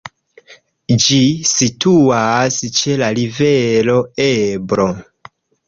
Ĝi situas ĉe la rivero Ebro.